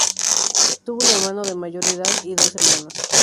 Tuvo un hermano, de mayor edad, y dos hermanas.